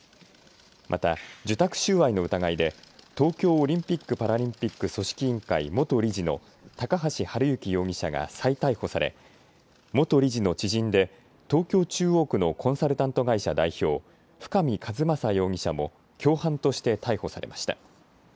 また受託収賄の疑いで東京オリンピック・パラリンピック組織委員会元理事の高橋治之容疑者が再逮捕され元理事の知人で東京中央区のコンサルタント会社代表、深見和政容疑者も共犯として逮捕されました。